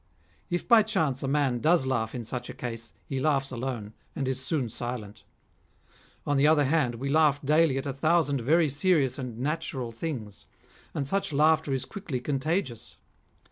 If by chance a man does laugh in such a case, he laughs alone, and is soon silent. On the other hand, we laugh daily at a thousand very serious and natural things ; and such laughter is quickly contagious.